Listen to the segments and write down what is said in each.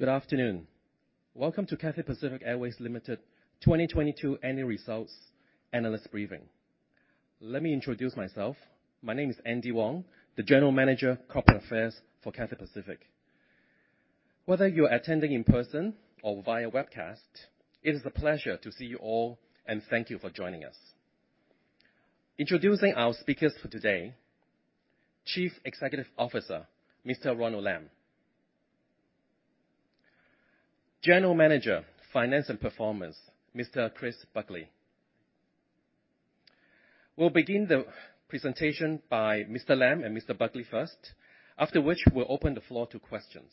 Good afternoon. Welcome to Cathay Pacific Airways Limited 2022 annual results analyst briefing. Let me introduce myself. My name is Andy Wong, the General Manager, Corporate Affairs for Cathay Pacific. Whether you're attending in person or via webcast, it is a pleasure to see you all, and thank you for joining us. Introducing our speakers for today, Chief Executive Officer, Mr. Ronald Lam. General Manager, Finance and Performance, Mr. Christopher Buckley. We'll begin the presentation by Mr. Lam and Mr. Buckley first, after which we'll open the floor to questions.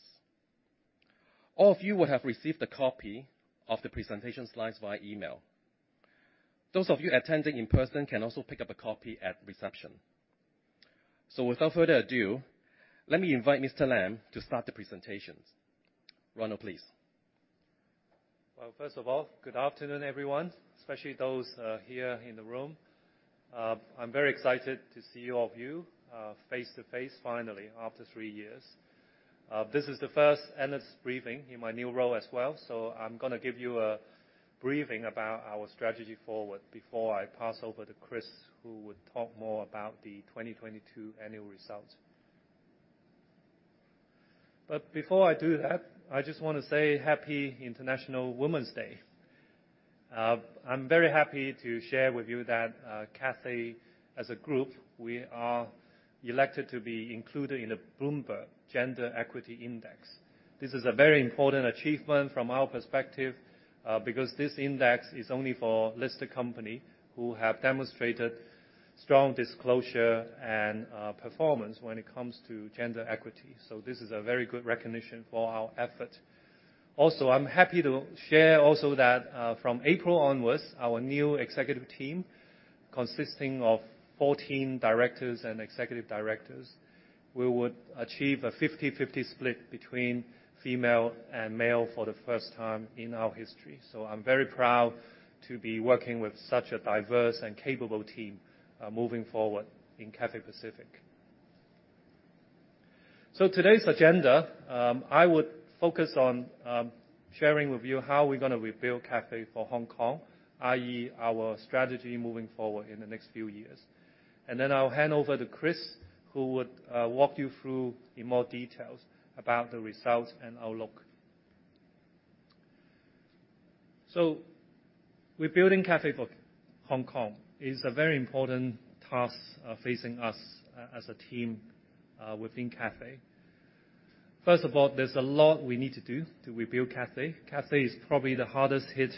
All of you will have received a copy of the presentation slides via email. Those of you attending in person can also pick up a copy at reception. Without further ado, let me invite Mr. Lam to start the presentations. Ronald, please. First of all, good afternoon, everyone, especially those here in the room. I'm very excited to see all of you face-to-face finally after three years. This is the first analyst briefing in my new role as well, so I'm gonna give you a briefing about our strategy forward before I pass over to Chris, who will talk more about the 2022 annual results. Before I do that, I just wanna say happy International Women's Day. I'm very happy to share with you that Cathay, as a group, we are elected to be included in the Bloomberg Gender-Equality Index. This is a very important achievement from our perspective, because this index is only for listed company who have demonstrated strong disclosure and performance when it comes to gender equity. This is a very good recognition for our effort. I'm happy to share also that, from April onwards, our new executive team, consisting of 14 directors and executive directors, we would achieve a 50/50 split between female and male for the first time in our history. I'm very proud to be working with such a diverse and capable team, moving forward in Cathay Pacific. Today's agenda, I would focus on sharing with you how we're gonna rebuild Cathay for Hong Kong, i.e. our strategy moving forward in the next few years. Then I'll hand over to Chris, who would walk you through in more details about the results and outlook. Rebuilding Cathay for Hong Kong is a very important task, facing us as a team, within Cathay. First of all, there's a lot we need to do to rebuild Cathay. Cathay is probably the hardest hit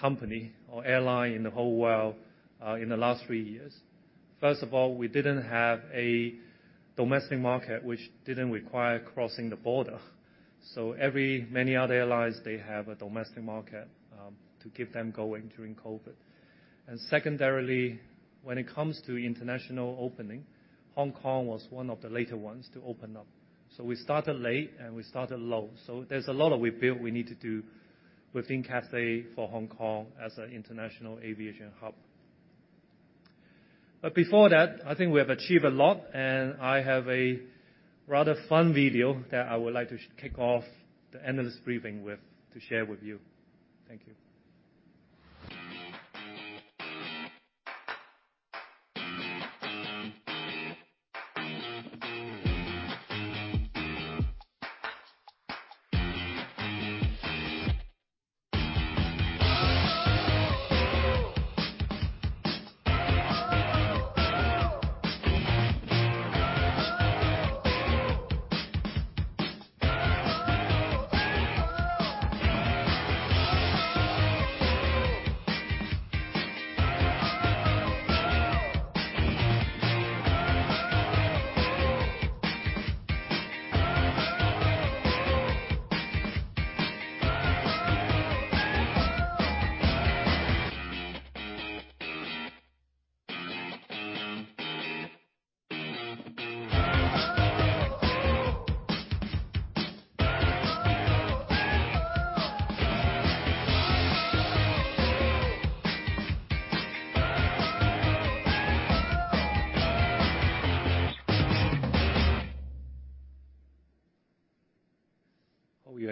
company or airline in the whole world, in the last three years. First of all, we didn't have a domestic market which didn't require crossing the border, so many other airlines, they have a domestic market to keep them going during COVID. Secondarily, when it comes to international opening, Hong Kong was one of the later ones to open up. We started late, and we started low. There's a lot of rebuild we need to do within Cathay for Hong Kong as an international aviation hub. Before that, I think we have achieved a lot, and I have a rather fun video that I would like to kick off the analyst briefing with to share with you. Thank you.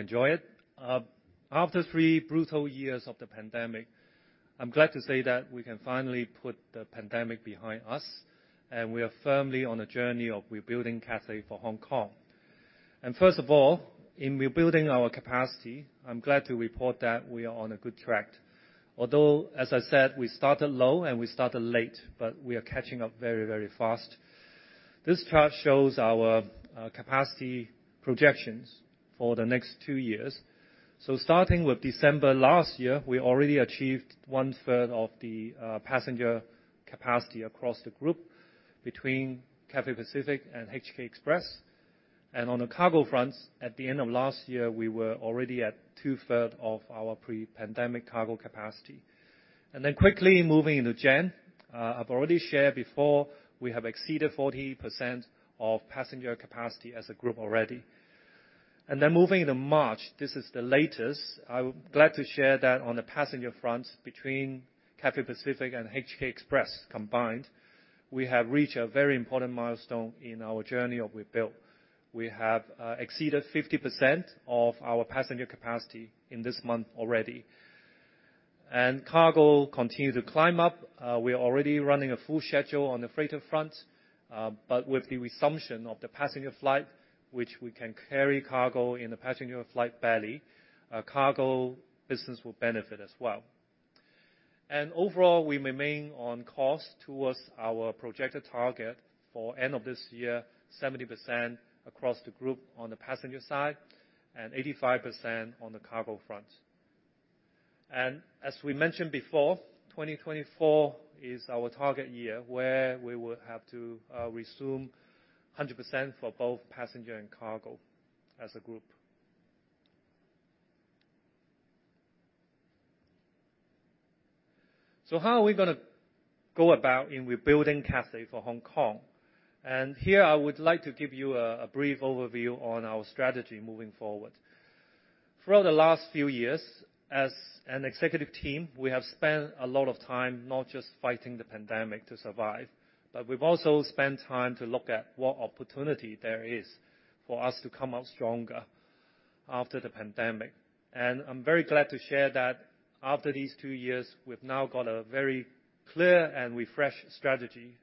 Hope you enjoy it. After 3 brutal years of the pandemic, I'm glad to say that we can finally put the pandemic behind us, and we are firmly on a journey of rebuilding Cathay for Hong Kong. First of all, in rebuilding our capacity, I'm glad to report that we are on a good track. Although, as I said, we started low and we started late, but we are catching up very, very fast. This chart shows our capacity projections for the next 2 years. Starting with December last year, we already achieved 1/3 of the passenger capacity across the group between Cathay Pacific and HK Express. On the cargo fronts, at the end of last year, we were already at 2/3 of our pre-pandemic cargo capacity. Quickly moving into January, I've already shared before, we have exceeded 40% of passenger capacity as a group already. Moving into March, this is the latest. I'm glad to share that on the passenger front between Cathay Pacific and HK Express combined, we have reached a very important milestone in our journey of rebuild. We have exceeded 50% of our passenger capacity in this month already. Cargo continue to climb up. We are already running a full schedule on the freighter front. With the resumption of the passenger flight, which we can carry cargo in the passenger flight belly, cargo business will benefit as well. Overall, we remain on course towards our projected target for end of this year, 70% across the group on the passenger side and 85% on the cargo front. As we mentioned before, 2024 is our target year where we will have to resume 100% for both passenger and cargo as a Group. How are we gonna go about in rebuilding Cathay for Hong Kong? Here, I would like to give you a brief overview on our strategy moving forward. Throughout the last few years, as an executive team, we have spent a lot of time not just fighting the pandemic to survive, but we've also spent time to look at what opportunity there is for us to come out stronger after the pandemic. I'm very glad to share that after these two years, we've now got a very clear and refreshed strategy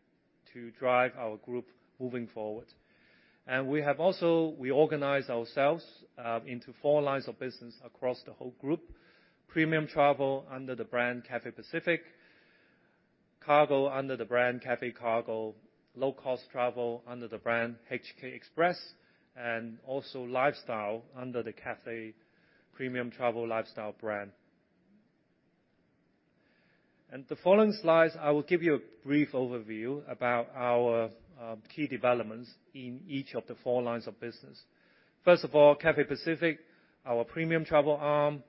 to drive our Group moving forward. We have also, we organize ourselves into four lines of business across the whole Group: premium travel under the brand Cathay Pacific, cargo under the brand Cathay Cargo, low-cost travel under the brand HK Express, and also lifestyle under the Cathay premium travel lifestyle brand. The following slides, I will give you a brief overview about our key developments in each of the four lines of business. First of all, Cathay Pacific, our premium travel arm.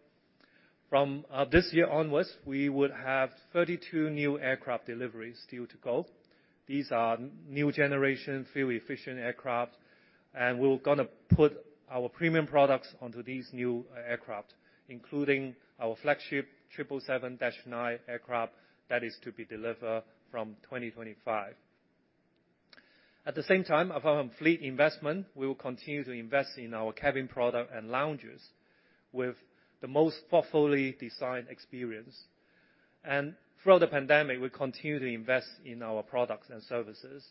From this year onwards, we would have 32 new aircraft deliveries due to go. These are new generation, fuel-efficient aircraft, and we're gonna put our premium products onto these new aircraft, including our flagship 777-9 aircraft that is to be delivered from 2025. At the same time, apart from fleet investment, we will continue to invest in our cabin product and lounges with the most thoughtfully designed experience. Throughout the pandemic, we continue to invest in our products and services.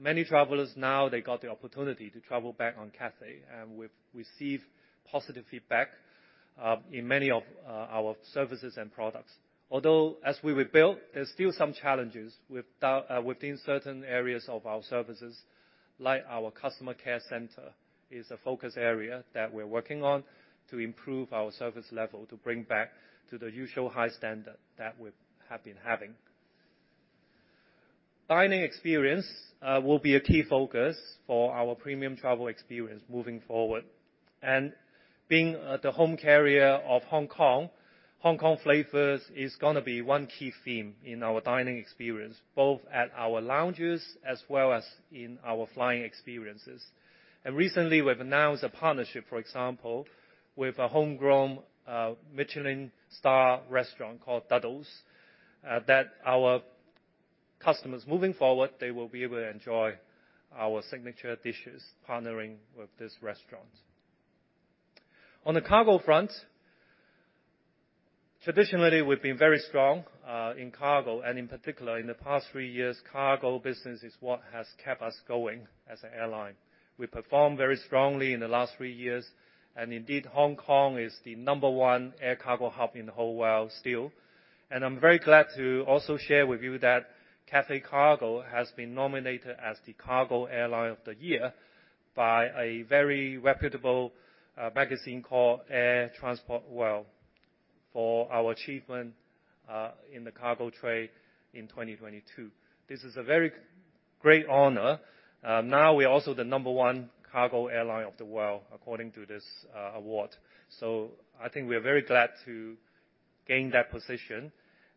Many travelers now, they got the opportunity to travel back on Cathay, and we've received positive feedback in many of our services and products. Although, as we rebuild, there's still some challenges within certain areas of our services, like our customer care center is a focus area that we're working on to improve our service level to bring back to the usual high standard that we have been having. Dining experience will be a key focus for our premium travel experience moving forward. Being the home carrier of Hong Kong, Hong Kong flavors is gonna be one key theme in our dining experience, both at our lounges as well as in our flying experiences. Recently, we've announced a partnership, for example, with a homegrown Michelin-star restaurant called Duddell's that our customers, moving forward, they will be able to enjoy our signature dishes partnering with this restaurant. On the cargo front, traditionally, we've been very strong in cargo, and in particular, in the past 3 years, cargo business is what has kept us going as an airline. We performed very strongly in the last 3 years. Indeed, Hong Kong is the number 1 air cargo hub in the whole world still. I'm very glad to also share with you that Cathay Cargo has been nominated as the Cargo Airline of the Year by a very reputable magazine called Air Transport World for our achievement in the cargo trade in 2022. This is a very great honor. Now we are also the number one cargo airline of the world, according to this award. I think we are very glad to gain that position,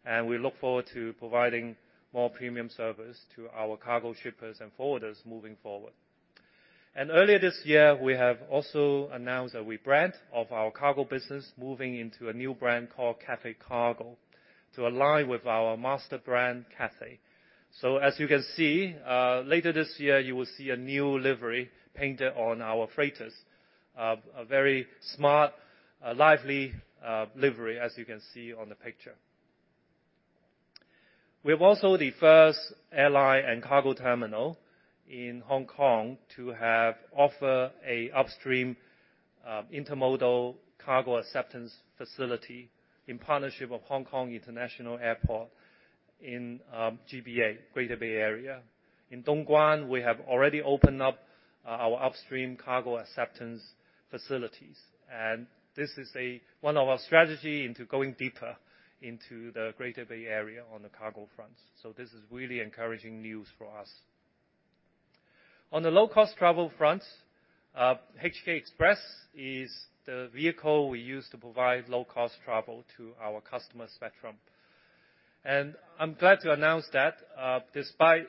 and we look forward to providing more premium service to our cargo shippers and forwarders moving forward. Earlier this year, we have also announced a rebrand of our cargo business, moving into a new brand called Cathay Cargo to align with our master brand, Cathay. As you can see, later this year, you will see a new livery painted on our freighters. A very smart, lively livery, as you can see on the picture. We're also the first airline and cargo terminal in Hong Kong to have offer a upstream intermodal cargo acceptance facility in partnership with Hong Kong International Airport in GBA, Greater Bay Area. In Dongguan, we have already opened up our upstream cargo acceptance facilities. This is one of our strategy into going deeper into the Greater Bay Area on the cargo front. This is really encouraging news for us. On the low-cost travel front, HK Express is the vehicle we use to provide low-cost travel to our customer spectrum. I'm glad to announce that, despite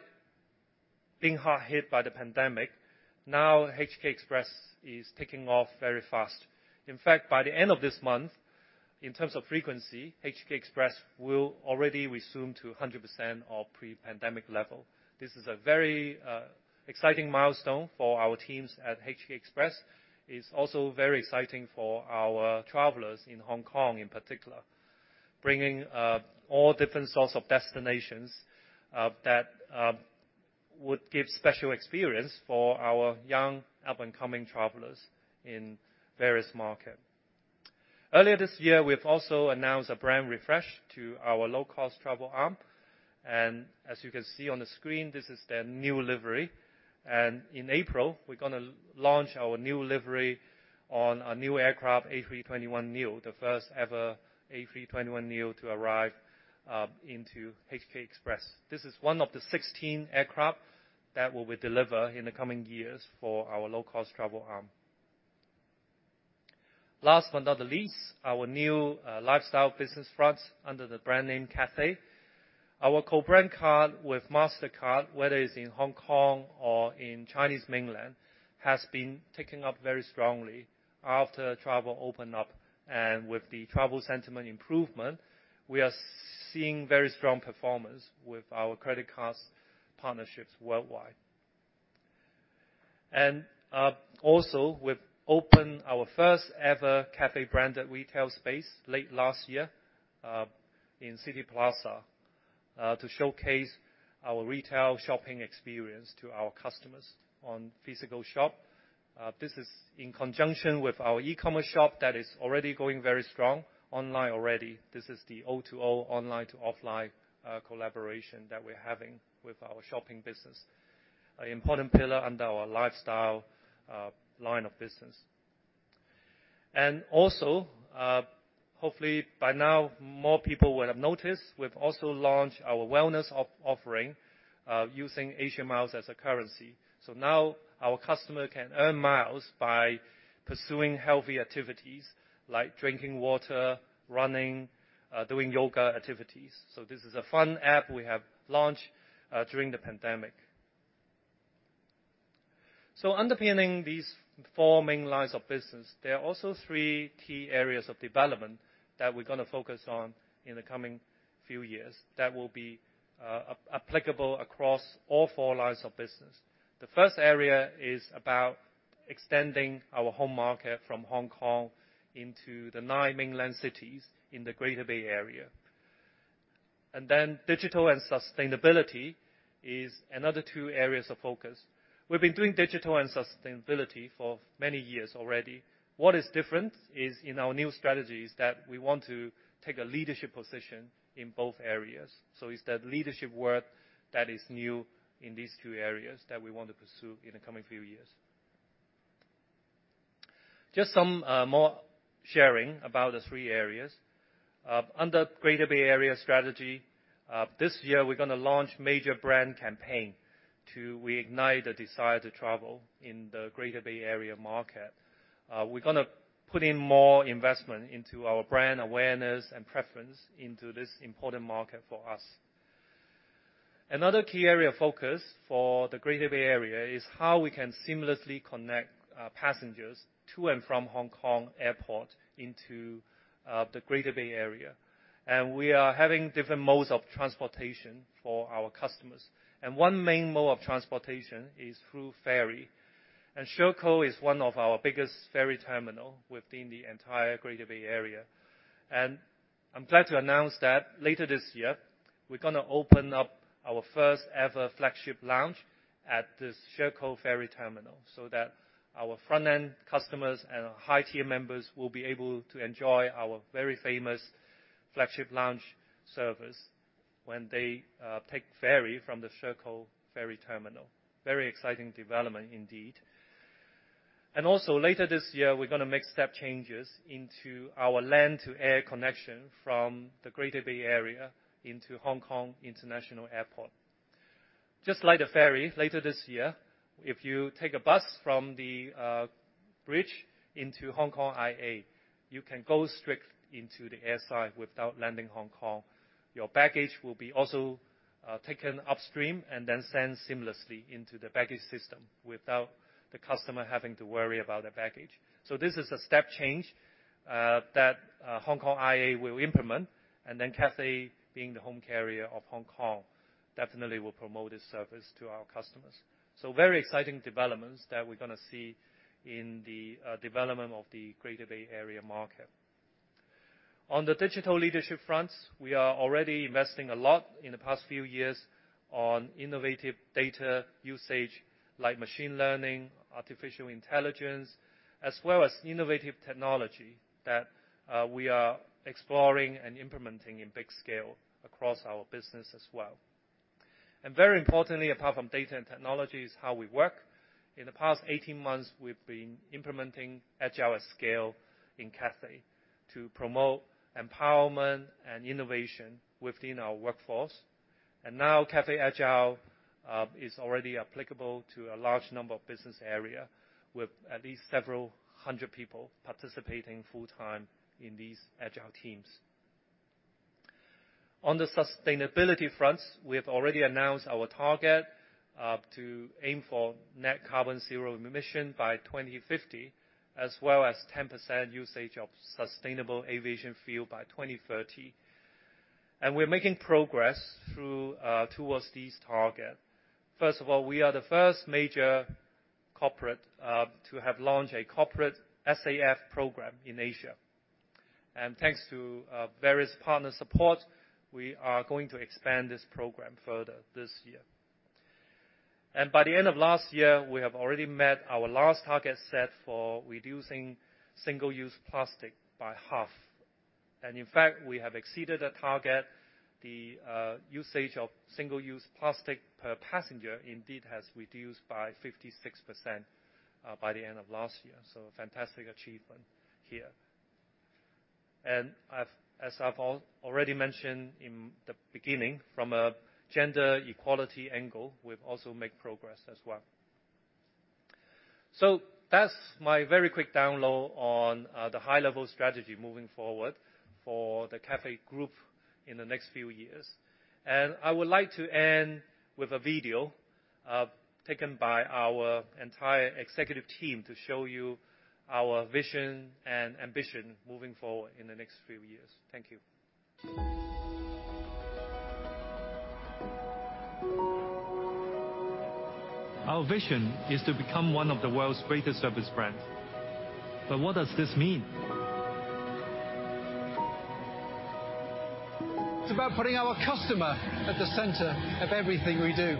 being hard hit by the pandemic, now HK Express is taking off very fast. In fact, by the end of this month, in terms of frequency, HK Express will already resume to 100% of pre-pandemic level. This is a very exciting milestone for our teams at HK Express. It's also very exciting for our travelers in Hong Kong, in particular, bringing all different sorts of destinations that would give special experience for our young up-and-coming travelers in various market. Earlier this year, we've also announced a brand refresh to our low-cost travel arm. As you can see on the screen, this is their new livery. In April, we're gonna launch our new livery on a new aircraft, A321neo, the first ever A321neo to arrive into HK Express. This is one of the 16 aircraft that will be deliver in the coming years for our low-cost travel arm. Last but not the least, our new lifestyle business front under the brand name Cathay. Our co-brand card with Mastercard, whether it's in Hong Kong or in Chinese mainland, has been taking up very strongly after travel opened up. With the travel sentiment improvement, we are seeing very strong performance with our credit cards partnerships worldwide. Also, we've opened our first ever Cathay branded retail space late last year in Cityplaza to showcase our retail shopping experience to our customers on physical shop. This is in conjunction with our e-commerce shop that is already going very strong online already. This is the O2O, online to offline, collaboration that we're having with our shopping business, a important pillar under our lifestyle line of business. Hopefully by now more people would have noticed, we've also launched our wellness offering using Asia Miles as a currency. Now our customer can earn miles by pursuing healthy activities like drinking water, running, doing yoga activities. This is a fun app we have launched during the pandemic. Underpinning these 4 main lines of business, there are also 3 key areas of development that we're gonna focus on in the coming few years that will be applicable across all 4 lines of business. The first area is about extending our home market from Hong Kong into the 9 mainland cities in the Greater Bay Area. Digital and sustainability is another 2 areas of focus. We've been doing digital and sustainability for many years already. What is different is in our new strategies that we want to take a leadership position in both areas. It's that leadership word that is new in these 2 areas that we want to pursue in the coming few years. Just some more sharing about the 3 areas. Under Greater Bay Area strategy, this year we're gonna launch major brand campaign to reignite the desire to travel in the Greater Bay Area market. We're gonna put in more investment into our brand awareness and preference into this important market for us. Another key area of focus for the Greater Bay Area is how we can seamlessly connect passengers to and from Hong Kong International Airport into the Greater Bay Area. We are having different modes of transportation for our customers, and one main mode of transportation is through ferry. Shekou is one of our biggest ferry terminal within the entire Greater Bay Area. I'm glad to announce that later this year, we're gonna open up our first ever flagship lounge at the Shekou ferry terminal, so that our front-end customers and our high tier members will be able to enjoy our very famous flagship lounge service when they take ferry from the Shekou ferry terminal. Very exciting development indeed. Also later this year, we're gonna make step changes into our land-to-air connection from the Greater Bay Area into Hong Kong International Airport. Just like the ferry, later this year, if you take a bus from the bridge into Hong Kong IA, you can go straight into the air side without landing Hong Kong. Your baggage will be also taken upstream and then sent seamlessly into the baggage system without the customer having to worry about their baggage. This is a step change that Hong Kong IA will implement, and then Cathay, being the home carrier of Hong Kong, definitely will promote this service to our customers. Very exciting developments that we're gonna see in the development of the Greater Bay Area market. On the digital leadership fronts, we are already investing a lot in the past few years on innovative data usage like machine learning, artificial intelligence, as well as innovative technology that we are exploring and implementing in big scale across our business as well. Very importantly, apart from data and technology, is how we work. In the past 18 months, we've been implementing Agile at scale in Cathay to promote empowerment and innovation within our workforce. Now Cathay Agile is already applicable to a large number of business area with at least several hundred people participating full-time in these agile teams. On the sustainability fronts, we have already announced our target to aim for net zero carbon emissions by 2050, as well as 10% usage of sustainable aviation fuel by 2030. We're making progress through towards these target. First of all, we are the first major corporate to have launched a corporate SAF program in Asia. Thanks to various partner support, we are going to expand this program further this year. By the end of last year, we have already met our last target set for reducing single-use plastic by half. In fact, we have exceeded the target. The usage of single-use plastic per passenger indeed has reduced by 56% by the end of last year. Fantastic achievement here. As I've already mentioned in the beginning, from a gender equality angle, we've also made progress as well. That's my very quick download on the high level strategy moving forward for the Cathay group in the next few years. I would like to end with a video taken by our entire executive team to show you our vision and ambition moving forward in the next few years. Thank you. Our vision is to become one of the world's greatest service brands. What does this mean? It's about putting our customer at the center of everything we do.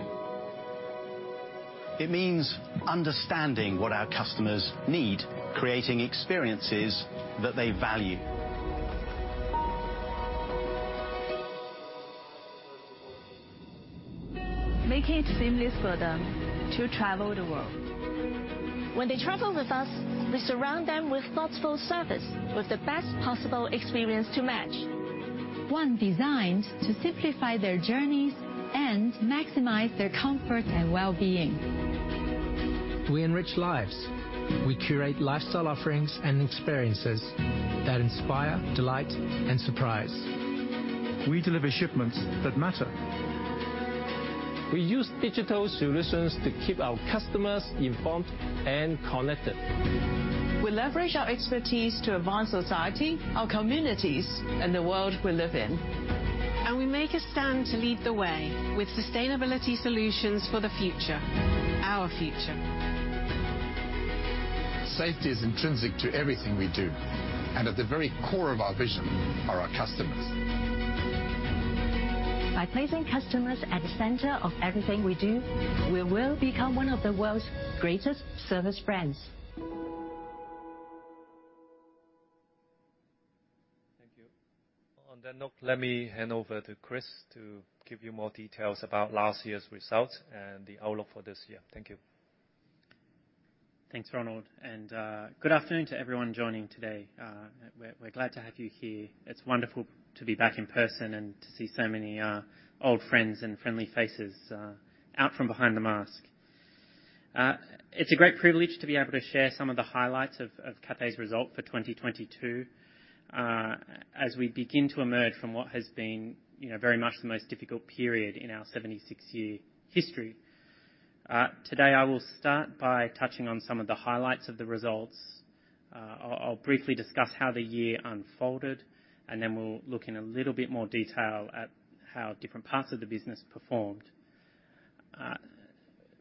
It means understanding what our customers need, creating experiences that they value. Making it seamless for them to travel the world. When they travel with us, we surround them with thoughtful service with the best possible experience to match. One designed to simplify their journeys and maximize their comfort and well-being. We enrich lives. We curate lifestyle offerings and experiences that inspire, delight, and surprise. We deliver shipments that matter. We use digital solutions to keep our customers informed and connected. We leverage our expertise to advance society, our communities, and the world we live in. We make a stand to lead the way with sustainability solutions for the future, our future. Safety is intrinsic to everything we do, and at the very core of our vision are our customers. By placing customers at the center of everything we do, we will become one of the world's greatest service brands. Thank you. On that note, let me hand over to Chris to give you more details about last year's results and the outlook for this year. Thank you. Thanks, Ronald. Good afternoon to everyone joining today. We're glad to have you here. It's wonderful to be back in person and to see so many old friends and friendly faces out from behind the mask. It's a great privilege to be able to share some of the highlights of Cathay's result for 2022, as we begin to emerge from what has been, you know, very much the most difficult period in our 76-year history. Today, I will start by touching on some of the highlights of the results. I'll briefly discuss how the year unfolded, and then we'll look in a little bit more detail at how different parts of the business performed.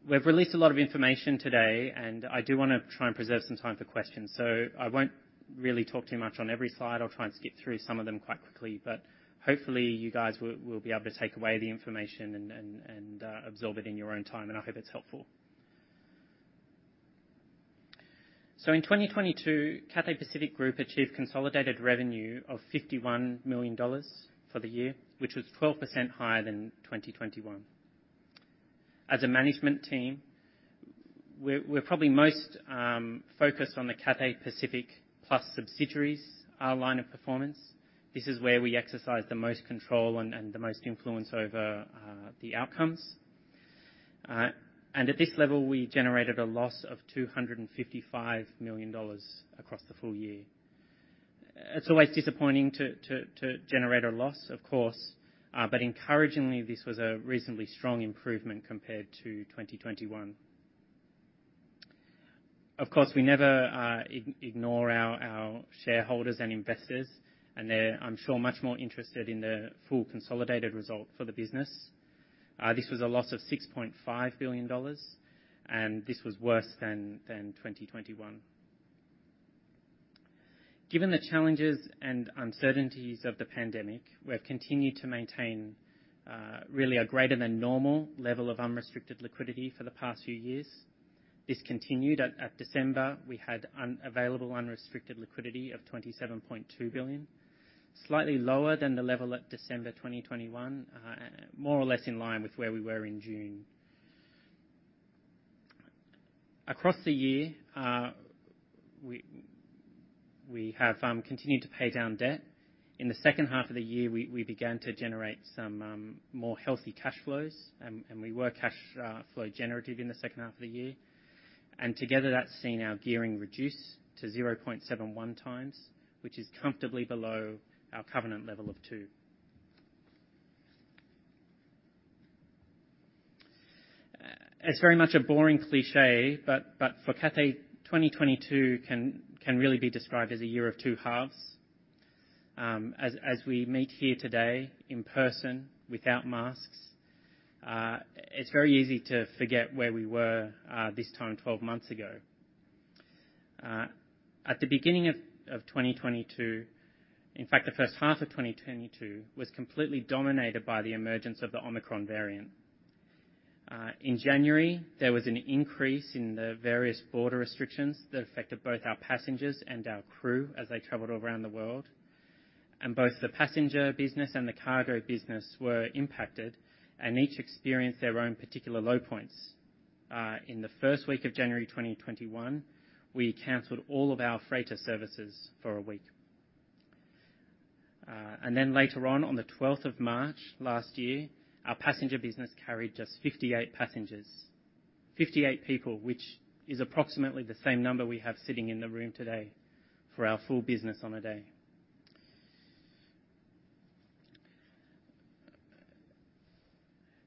We've released a lot of information today, I do wanna try and preserve some time for questions, I won't really talk too much on every slide. I'll try and skip through some of them quite quickly. Hopefully, you guys will be able to take away the information and absorb it in your own time, and I hope it's helpful. In 2022, Cathay Pacific Group achieved consolidated revenue of 51 million dollars for the year, which was 12% higher than 2021. As a management team, we're probably most focused on the Cathay Pacific, plus subsidiaries, our line of performance. This is where we exercise the most control and the most influence over the outcomes. At this level, we generated a loss of 255 million dollars across the full year. It's always disappointing to generate a loss, of course, encouragingly, this was a reasonably strong improvement compared to 2021. Of course, we never ignore our shareholders and investors, they're, I'm sure, much more interested in the full consolidated result for the business. This was a loss of 6.5 billion dollars, this was worse than 2021. Given the challenges and uncertainties of the pandemic, we've continued to maintain really a greater than normal level of unrestricted liquidity for the past few years. This continued. At December, we had available unrestricted liquidity of 27.2 billion. Slightly lower than the level at December 2021, more or less in line with where we were in June. Across the year, we have continued to pay down debt. In the second half of the year, we began to generate some more healthy cash flows and we were cash flow generative in the second half of the year. Together, that's seen our gearing reduce to 0.71 times, which is comfortably below our covenant level of 2. It's very much a boring cliché, but for Cathay, 2022 can really be described as a year of two halves. As we meet here today in person without masks, it's very easy to forget where we were this time 12 months ago. At the beginning of 2022, in fact, the first half of 2022 was completely dominated by the emergence of the Omicron variant. In January, there was an increase in the various border restrictions that affected both our passengers and our crew as they traveled around the world. Both the passenger business and the cargo business were impacted, and each experienced their own particular low points. In the first week of January 2021, we canceled all of our freighter services for a week. Later on the 12th of March last year, our passenger business carried just 58 passengers. 58 people, which is approximately the same number we have sitting in the room today for our full business on the day.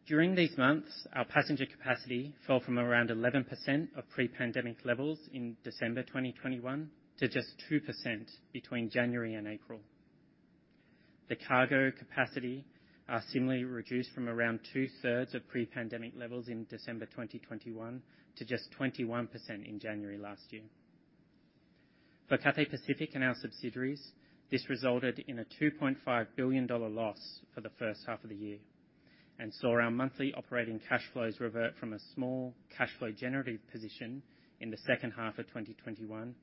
During these months, our passenger capacity fell from around 11% of pre-pandemic levels in December 2021 to just 2% between January and April. The cargo capacity are similarly reduced from around two-thirds of pre-pandemic levels in December 2021, to just 21% in January last year. For Cathay Pacific and our subsidiaries, this resulted in a 2.5 billion dollar loss for the first half of the year, and saw our monthly operating cash flows revert from a small cash flow generative position in the second half of 2021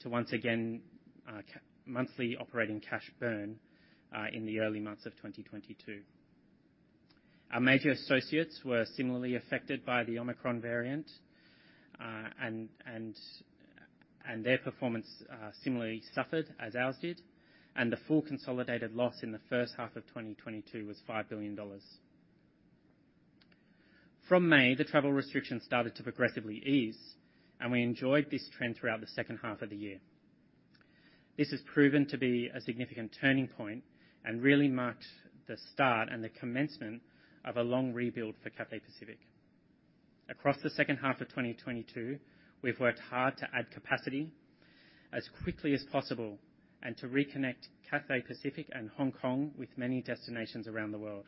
to once again, monthly operating cash burn in the early months of 2022. Our major associates were similarly affected by the Omicron variant, and their performance similarly suffered as ours did, and the full consolidated loss in the first half of 2022 was 5 billion dollars. From May, the travel restrictions started to progressively ease, and we enjoyed this trend throughout the second half of the year. This has proven to be a significant turning point and really marked the start and the commencement of a long rebuild for Cathay Pacific. Across the second half of 2022, we've worked hard to add capacity as quickly as possible and to reconnect Cathay Pacific and Hong Kong with many destinations around the world.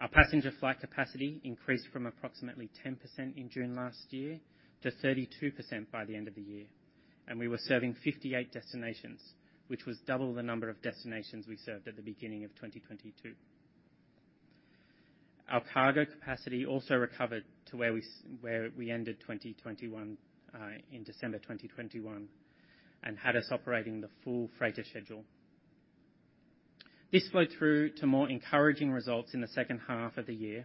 Our passenger flight capacity increased from approximately 10% in June last year to 32% by the end of the year. We were serving 58 destinations, which was double the number of destinations we served at the beginning of 2022. Our cargo capacity also recovered to where we ended 2021 in December 2021, and had us operating the full freighter schedule. This flowed through to more encouraging results in the second half of the year,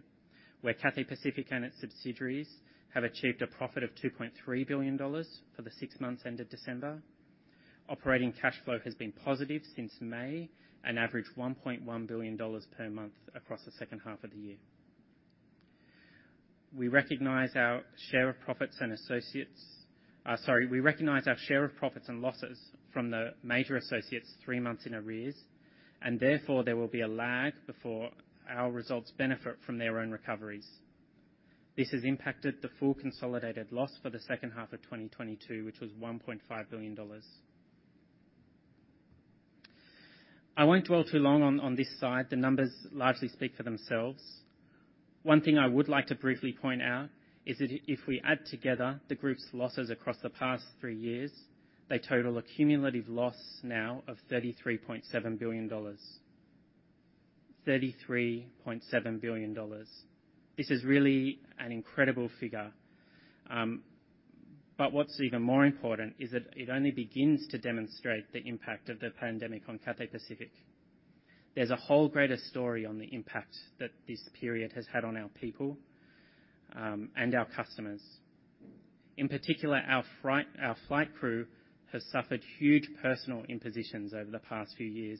where Cathay Pacific and its subsidiaries have achieved a profit of 2.3 billion dollars for the 6 months end of December. Operating cash flow has been positive since May, an average 1.1 billion dollars per month across the second half of the year. We recognize our share of profits and associates. Sorry, we recognize our share of profits and losses from the major associates 3 months in arrears, and therefore, there will be a lag before our results benefit from their own recoveries. This has impacted the full consolidated loss for the second half of 2022, which was 1.5 billion dollars. I won't dwell too long on this slide. The numbers largely speak for themselves. One thing I would like to briefly point out is that if we add together the group's losses across the past three years, they total a cumulative loss now of HKD 33.7 billion. HKD 33.7 billion. This is really an incredible figure. What's even more important is that it only begins to demonstrate the impact of the pandemic on Cathay Pacific. There's a whole greater story on the impact that this period has had on our people, and our customers. In particular, our flight crew has suffered huge personal impositions over the past few years,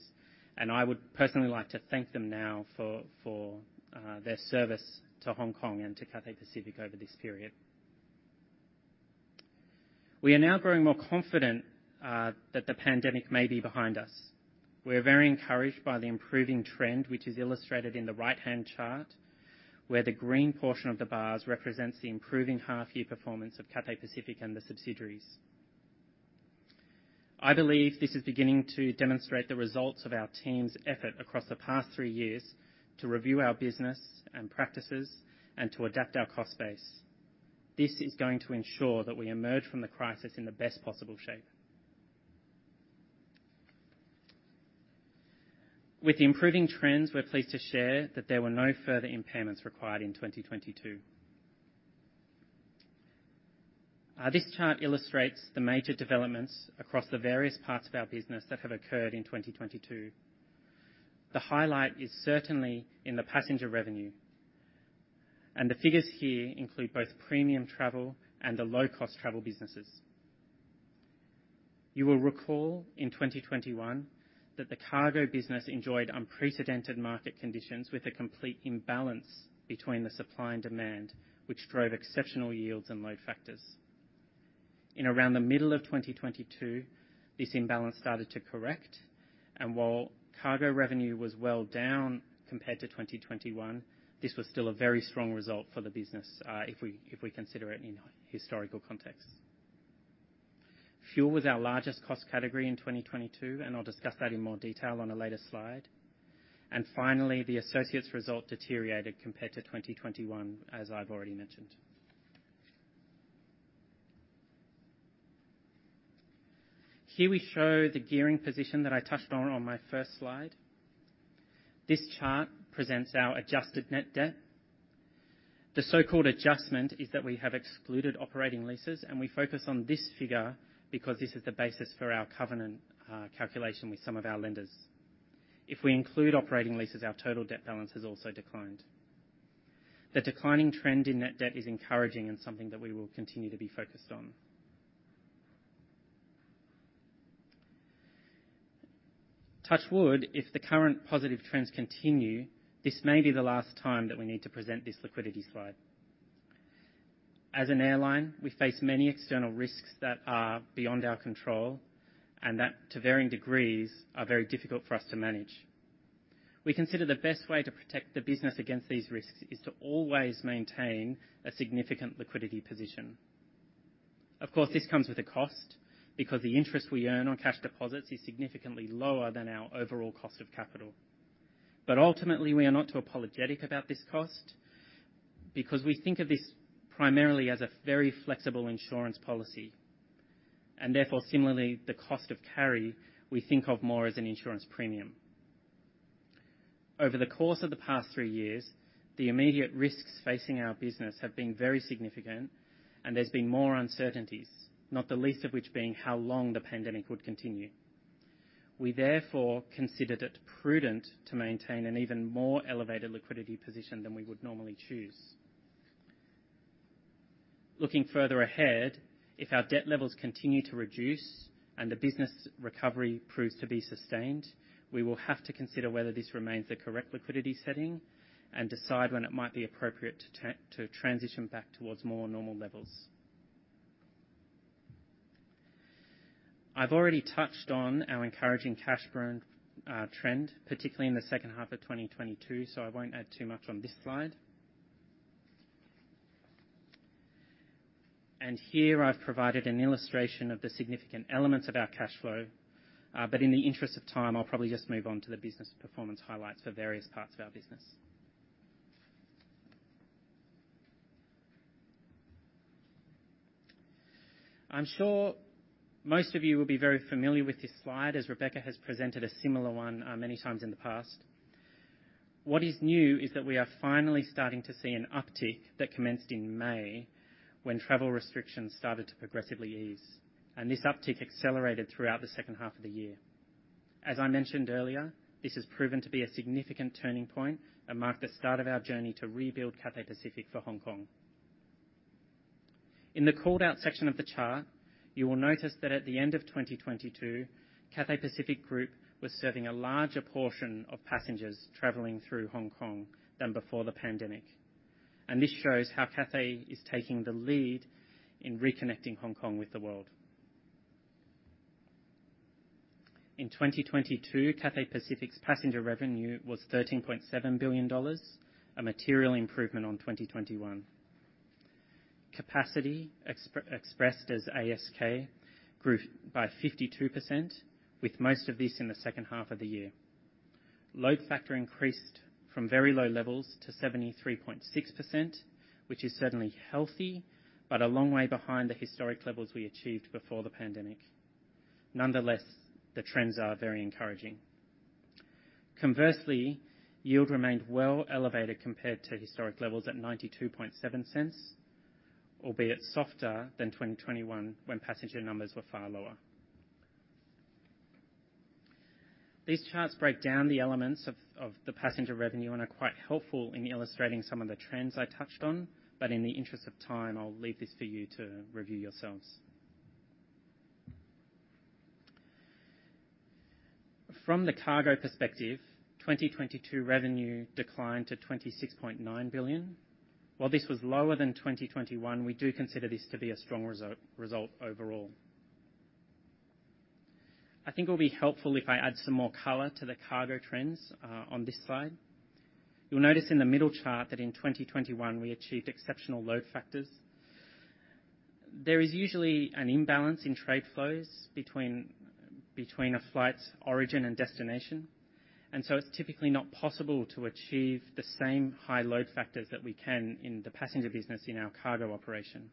and I would personally like to thank them now for their service to Hong Kong and to Cathay Pacific over this period. We are now growing more confident that the pandemic may be behind us. We are very encouraged by the improving trend, which is illustrated in the right-hand chart, where the green portion of the bars represents the improving half-year performance of Cathay Pacific and the subsidiaries. I believe this is beginning to demonstrate the results of our team's effort across the past three years to review our business and practices and to adapt our cost base. This is going to ensure that we emerge from the crisis in the best possible shape. With the improving trends, we're pleased to share that there were no further impairments required in 2022. This chart illustrates the major developments across the various parts of our business that have occurred in 2022. The highlight is certainly in the passenger revenue. The figures here include both premium travel and the low-cost travel businesses. You will recall in 2021 that the cargo business enjoyed unprecedented market conditions with a complete imbalance between the supply and demand, which drove exceptional yields and load factors. In around the middle of 2022, this imbalance started to correct, and while cargo revenue was well down compared to 2021, this was still a very strong result for the business, if we consider it in a historical context. Fuel was our largest cost category in 2022, and I'll discuss that in more detail on a later slide. Finally, the associates result deteriorated compared to 2021, as I've already mentioned. Here we show the gearing position that I touched on on my first slide. This chart presents our adjusted net debt. The so-called adjustment is that we have excluded operating leases, and we focus on this figure because this is the basis for our covenant calculation with some of our lenders. If we include operating leases, our total debt balance has also declined. The declining trend in net debt is encouraging and something that we will continue to be focused on. Touch wood, if the current positive trends continue, this may be the last time that we need to present this liquidity slide. As an airline, we face many external risks that are beyond our control and that, to varying degrees, are very difficult for us to manage. We consider the best way to protect the business against these risks is to always maintain a significant liquidity position. Of course, this comes with a cost because the interest we earn on cash deposits is significantly lower than our overall cost of capital. Ultimately, we are not too apologetic about this cost because we think of this primarily as a very flexible insurance policy, and therefore, similarly, the cost of carry we think of more as an insurance premium. Over the course of the past three years, the immediate risks facing our business have been very significant, and there's been more uncertainties, not the least of which being how long the pandemic would continue. We therefore considered it prudent to maintain an even more elevated liquidity position than we would normally choose. Looking further ahead, if our debt levels continue to reduce and the business recovery proves to be sustained, we will have to consider whether this remains the correct liquidity setting and decide when it might be appropriate to transition back towards more normal levels. I've already touched on our encouraging cash burn trend, particularly in the second half of 2022, so I won't add too much on this slide. Here I've provided an illustration of the significant elements of our cash flow, but in the interest of time, I'll probably just move on to the business performance highlights for various parts of our business. I'm sure most of you will be very familiar with this slide, as Rebecca has presented a similar one many times in the past. What is new is that we are finally starting to see an uptick that commenced in May when travel restrictions started to progressively ease, and this uptick accelerated throughout the second half of the year. As I mentioned earlier, this has proven to be a significant turning point and marked the start of our journey to rebuild Cathay Pacific for Hong Kong. In the called out section of the chart, you will notice that at the end of 2022, Cathay Pacific Group was serving a larger portion of passengers traveling through Hong Kong than before the pandemic. This shows how Cathay is taking the lead in reconnecting Hong Kong with the world. In 2022, Cathay Pacific's passenger revenue was 13.7 billion dollars, a material improvement on 2021. Capacity expressed as ASK grew by 52% with most of this in the second half of the year. Load factor increased from very low levels to 73.6%, which is certainly healthy, but a long way behind the historic levels we achieved before the pandemic. Nonetheless, the trends are very encouraging. Conversely, yield remained well elevated compared to historic levels at 0.927, albeit softer than 2021 when passenger numbers were far lower. These charts break down the elements of the passenger revenue and are quite helpful in illustrating some of the trends I touched on, but in the interest of time, I'll leave this for you to review yourselves. From the cargo perspective, 2022 revenue declined to 26.9 billion. While this was lower than 2021, we do consider this to be a strong result overall. I think it will be helpful if I add some more color to the cargo trends on this slide. You'll notice in the middle chart that in 2021, we achieved exceptional load factors. There is usually an imbalance in trade flows between a flight's origin and destination. It's typically not possible to achieve the same high load factors that we can in the passenger business in our cargo operation.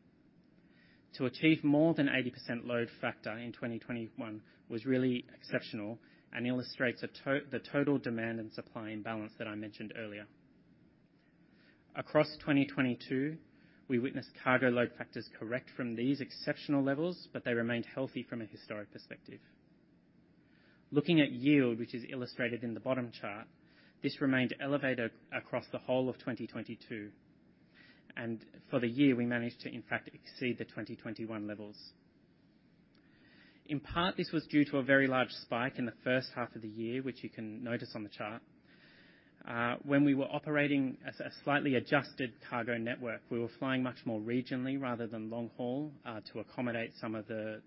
To achieve more than 80% load factor in 2021 was really exceptional and illustrates the total demand and supply imbalance that I mentioned earlier. Across 2022, we witnessed cargo load factors correct from these exceptional levels, but they remained healthy from a historic perspective. Looking at yield, which is illustrated in the bottom chart, this remained elevated across the whole of 2022. For the year, we managed to, in fact, exceed the 2021 levels. In part, this was due to a very large spike in the first half of the year, which you can notice on the chart. When we were operating a slightly adjusted cargo network, we were flying much more regionally rather than long haul, to accommodate some of the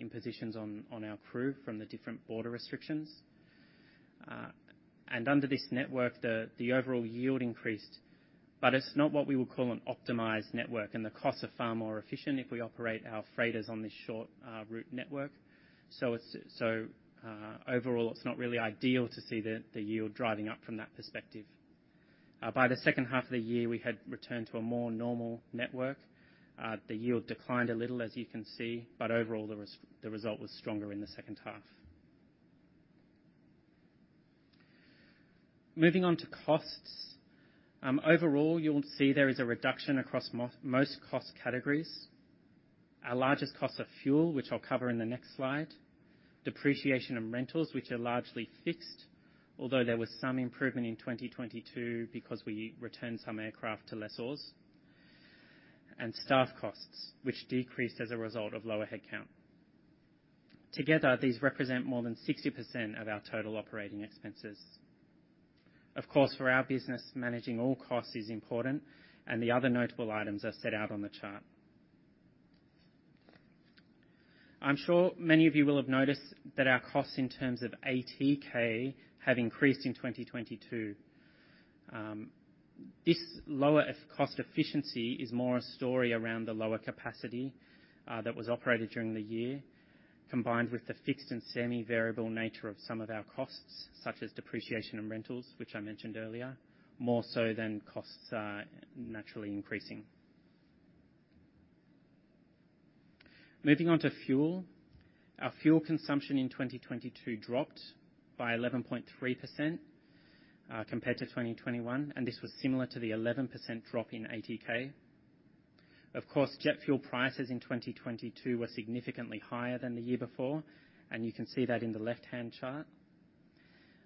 impositions on our crew from the different border restrictions. Under this network, the overall yield increased, but it's not what we would call an optimized network, and the costs are far more efficient if we operate our freighters on this short route network. Overall, it's not really ideal to see the yield driving up from that perspective. By the second half of the year, we had returned to a more normal network. The yield declined a little, as you can see. Overall, the result was stronger in the second half. Moving on to costs. Overall, you'll see there is a reduction across most cost categories. Our largest costs are fuel, which I'll cover in the next slide. Depreciation and rentals, which are largely fixed, although there was some improvement in 2022 because we returned some aircraft to lessors. Staff costs, which decreased as a result of lower headcount. Together, these represent more than 60% of our total operating expenses. Of course, for our business, managing all costs is important, and the other notable items are set out on the chart. I'm sure many of you will have noticed that our costs in terms of ATK have increased in 2022. This lower cost efficiency is more a story around the lower capacity that was operated during the year, combined with the fixed and semi-variable nature of some of our costs, such as depreciation and rentals, which I mentioned earlier, more so than costs are naturally increasing. Moving on to fuel. Our fuel consumption in 2022 dropped by 11.3% compared to 2021, and this was similar to the 11% drop in ATK. Of course, jet fuel prices in 2022 were significantly higher than the year before, and you can see that in the left-hand chart.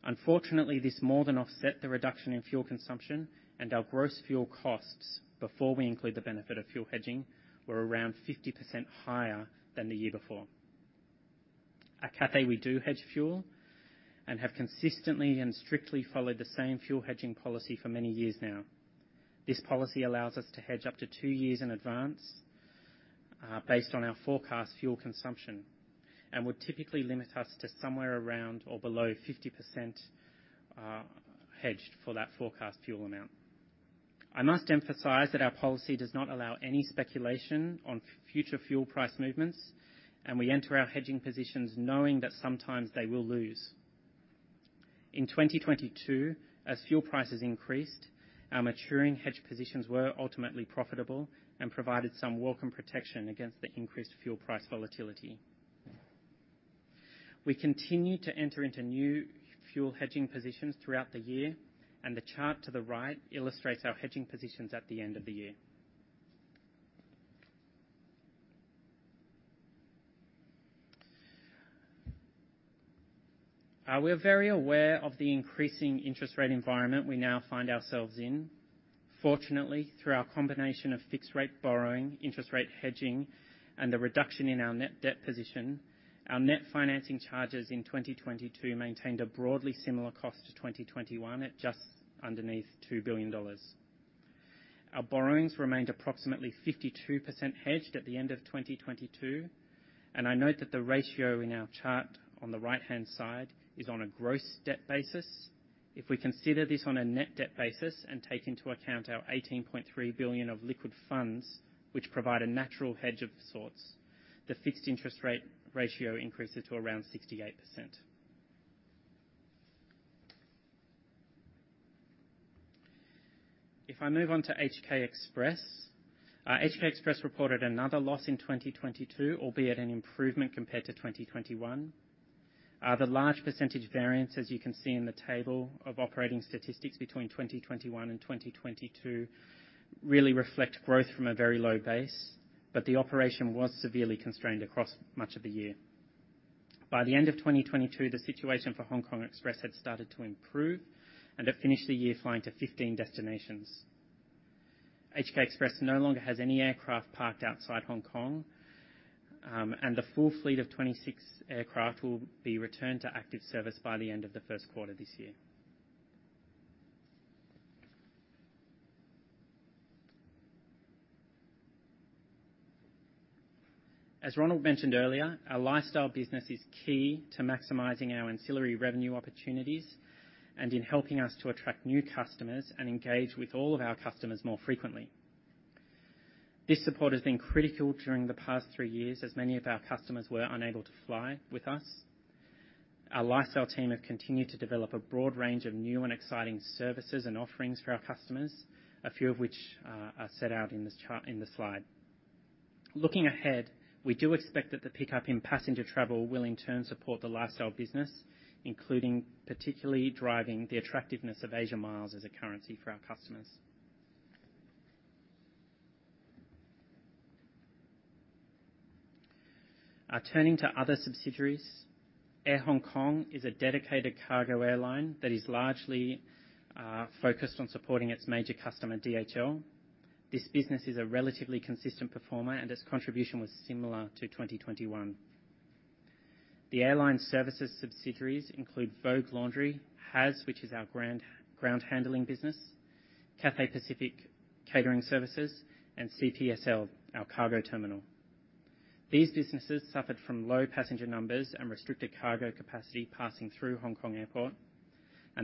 Unfortunately, this more than offset the reduction in fuel consumption, and our gross fuel costs, before we include the benefit of fuel hedging, were around 50% higher than the year before. At Cathay, we do hedge fuel, and have consistently and strictly followed the same fuel hedging policy for many years now. This policy allows us to hedge up to two years in advance, based on our forecast fuel consumption, and would typically limit us to somewhere around or below 50%, hedged for that forecast fuel amount. I must emphasize that our policy does not allow any speculation on future fuel price movements, and we enter our hedging positions knowing that sometimes they will lose. In 2022, as fuel prices increased, our maturing hedge positions were ultimately profitable and provided some welcome protection against the increased fuel price volatility. We continue to enter into new fuel hedging positions throughout the year, and the chart to the right illustrates our hedging positions at the end of the year. We're very aware of the increasing interest rate environment we now find ourselves in. Fortunately, through our combination of fixed rate borrowing, interest rate hedging, and the reduction in our net debt position, our net financing charges in 2022 maintained a broadly similar cost to 2021 at just underneath 2 billion dollars. Our borrowings remained approximately 52% hedged at the end of 2022, and I note that the ratio in our chart on the right-hand side is on a gross debt basis. If we consider this on a net debt basis and take into account our 18.3 billion of liquid funds, which provide a natural hedge of sorts, the fixed interest rate ratio increases to around 68%. If I move on to HK Express. HK Express reported another loss in 2022, albeit an improvement compared to 2021. The large percentage variance, as you can see in the table of operating statistics between 2021 and 2022, really reflect growth from a very low base, but the operation was severely constrained across much of the year. By the end of 2022, the situation for HK Express had started to improve, and it finished the year flying to 15 destinations. HK Express no longer has any aircraft parked outside Hong Kong, and the full fleet of 26 aircraft will be returned to active service by the end of the first quarter this year. As Ronald mentioned earlier, our lifestyle business is key to maximizing our ancillary revenue opportunities and in helping us to attract new customers and engage with all of our customers more frequently. This support has been critical during the past three years, as many of our customers were unable to fly with us. Our lifestyle team have continued to develop a broad range of new and exciting services and offerings for our customers, a few of which are set out in this in this slide. Looking ahead, we do expect that the pickup in passenger travel will, in turn, support the lifestyle business, including particularly driving the attractiveness of Asia Miles as a currency for our customers. Turning to other subsidiaries. Air Hong Kong is a dedicated cargo airline that is largely focused on supporting its major customer, DHL. This business is a relatively consistent performer, and its contribution was similar to 2021. The airline's services subsidiaries include Vogue Laundry, HAS, which is our ground handling business, Cathay Pacific Catering Services, and CPSL, our cargo terminal. These businesses suffered from low passenger numbers and restricted cargo capacity passing through Hong Kong Airport.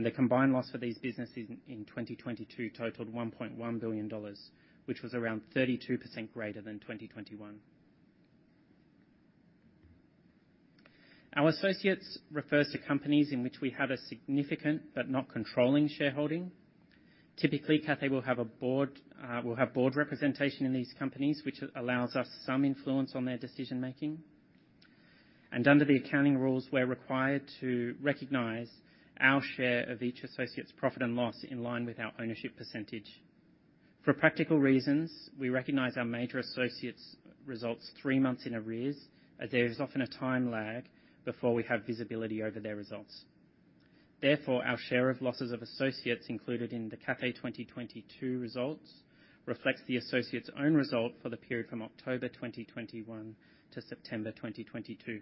The combined loss for these businesses in 2022 totaled 1.1 billion dollars, which was around 32% greater than 2021. Our associates refers to companies in which we have a significant but not controlling shareholding. Typically, Cathay will have board representation in these companies, which allows us some influence on their decision-making. Under the accounting rules, we're required to recognize our share of each associate's profit and loss in line with our ownership percentage. For practical reasons, we recognize our major associates results three months in arrears, as there is often a time lag before we have visibility over their results. Therefore, our share of losses of associates included in the Cathay 2022 results reflects the associate's own result for the period from October 2021 to September 2022.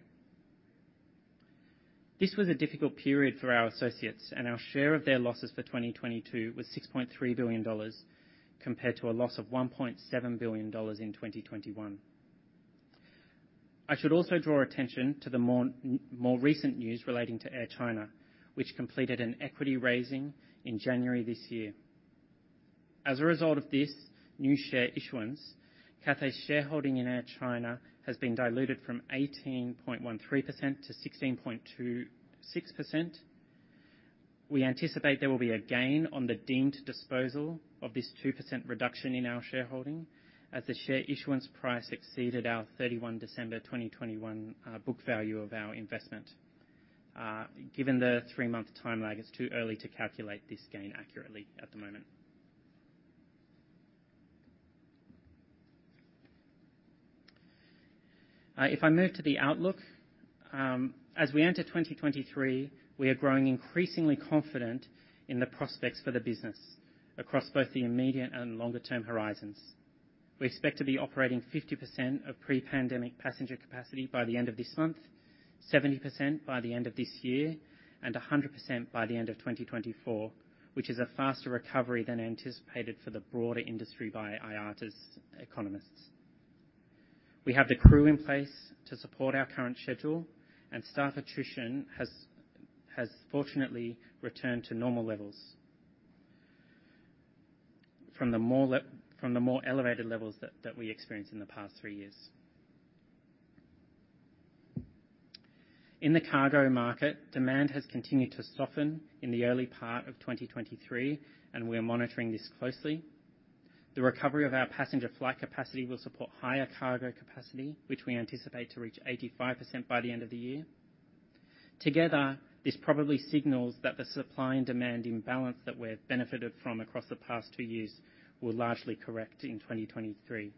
This was a difficult period for our associates, and our share of their losses for 2022 was 6.3 billion dollars compared to a loss of 1.7 billion dollars in 2021. I should also draw attention to the more recent news relating to Air China, which completed an equity raising in January this year. As a result of this new share issuance, Cathay's shareholding in Air China has been diluted from 18.13% to 16.26%. We anticipate there will be a gain on the deemed disposal of this 2% reduction in our shareholding as the share issuance price exceeded our December 31, 2021 book value of our investment. Given the 3-month time lag, it's too early to calculate this gain accurately at the moment. If I move to the outlook, as we enter 2023, we are growing increasingly confident in the prospects for the business across both the immediate and longer-term horizons. We expect to be operating 50% of pre-pandemic passenger capacity by the end of this month, 70% by the end of this year, and 100% by the end of 2024, which is a faster recovery than anticipated for the broader industry by IATA's economists. We have the crew in place to support our current schedule, and staff attrition has fortunately returned to normal levels from the more elevated levels that we experienced in the past three years. In the cargo market, demand has continued to soften in the early part of 2023, and we are monitoring this closely. The recovery of our passenger flight capacity will support higher cargo capacity, which we anticipate to reach 85% by the end of the year. Together, this probably signals that the supply and demand imbalance that we've benefited from across the past two years will largely correct in 2023.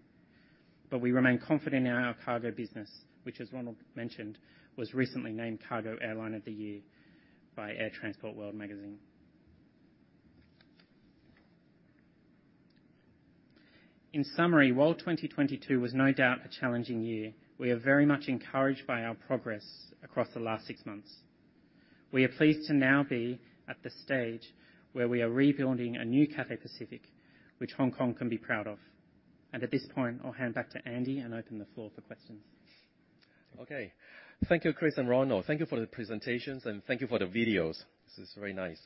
We remain confident in our cargo business, which as Ronald mentioned, was recently named Cargo Airline of the Year by Air Transport World magazine. In summary, while 2022 was no doubt a challenging year, we are very much encouraged by our progress across the last six months. We are pleased to now be at the stage where we are rebuilding a new Cathay Pacific, which Hong Kong can be proud of. At this point, I'll hand back to Andy and open the floor for questions. Okay. Thank you, Chris and Ronald. Thank you for the presentations, and thank you for the videos. This is very nice.